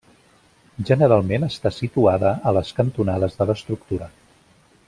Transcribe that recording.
Generalment, està situada a les cantonades de l'estructura.